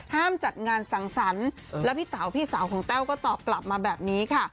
จัดงานสังสรรค์แล้วพี่เต๋าพี่สาวของแต้วก็ตอบกลับมาแบบนี้ค่ะ